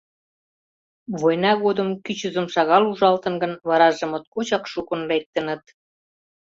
Война годым кӱчызым шагал ужалтын гын, вараже моткочак шукын лектыныт.